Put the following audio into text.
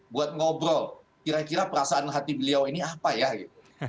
buat ngobrol kira kira perasaan hati beliau ini apa ya gitu